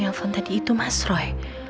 telepon tadi itu mas roy